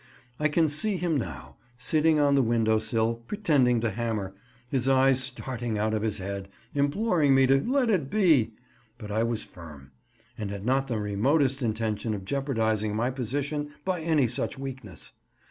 I can see him now, sitting on the window sill, pretending to hammer, his eyes starting out of his head, imploring me to "let it be;" but I was firm, and had not the remotest intention of jeopardising my position by any such weakness.